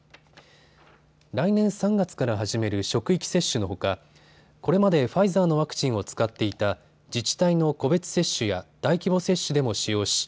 来年３月から始める職域接種のほかこれまでファイザーのワクチンを使っていた自治体の個別接種や大規模接種でも使用し